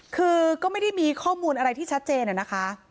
คือก็ไม่ได้มีข้อมูลอะไรที่ชัดเจนนะคะ